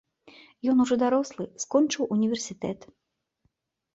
Ён ужо дарослы, скончыў універсітэт.